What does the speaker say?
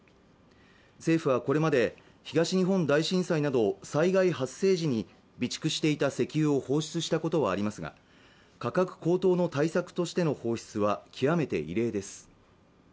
政府はこれまで東日本大震災など災害発生時に備蓄していた石油を放出したことはありますが価格高騰の対策としての放出は極めて異例です